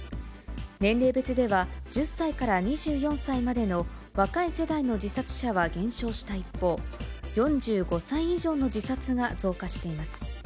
年齢別では、１０歳から２４歳までの若い世代の自殺者は減少した一方、４５歳以上の自殺が増加しています。